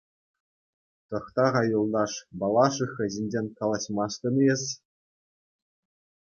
Тӑхта-ха, юлташ, Балашиха ҫинчен каламастӑн-и эс?